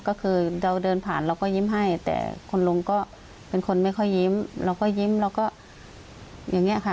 ก็คือเราเดินผ่านเราก็ยิ้มให้แต่คุณลุงก็เป็นคนไม่ค่อยยิ้มเราก็ยิ้มเราก็อย่างนี้ค่ะ